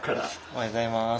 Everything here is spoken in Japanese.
おはようございます。